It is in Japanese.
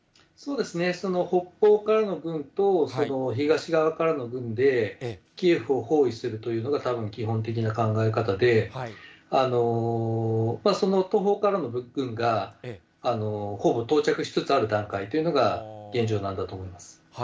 そうですね、その北方からの軍と、東側からの軍でキエフを包囲するというのがたぶん基本的な考え方で、その東方からの軍がほぼ到着しつつある段階というのが現状なんだと思います。